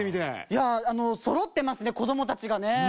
いやあのそろってますね子どもたちがね。